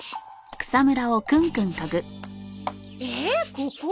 ここ？